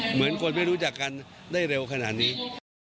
เหมือนคนไม่รู้จักกันได้เร็วขนาดนี้